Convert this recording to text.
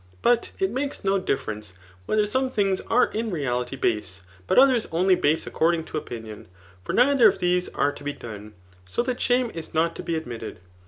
But it makes no diflference, whether some things are in reality base, but others only base according to opinion ; for nei ther of these are to be done ; so that shame is not to be admitted.